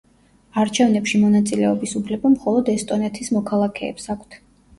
არჩევნებში მონაწილეობის უფლება მხოლოდ ესტონეთის მოქალაქეებს აქვთ.